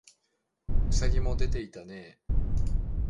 兎もでていたねえ